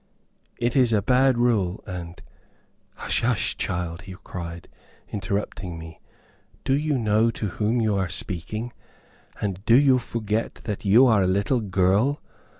"It is a bad rule, and " "Hush, hush, child!" he cried, interrupting me. "Do you know to whom you are speaking? and do you forget that you are a little girl?